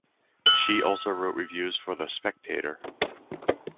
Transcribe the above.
She also wrote reviews for "The Spectator".